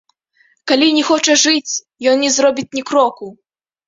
Калі не хоча жыць, ён не зробіць ні кроку!